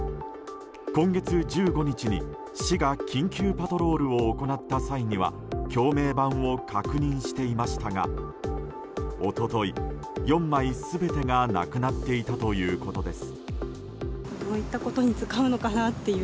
今月１５日に市が緊急パトロールを行った際には橋名板を確認していましたが一昨日、４枚全てがなくなっていたということです。